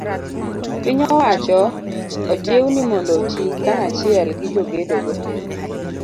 Piny owacho ojiw ni mondo oti kanachiel gi jogedo go.